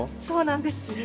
そうなんです。